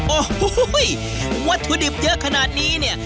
โอ้โหวัตถุดิบเยอะขนาดนี้เนี่ย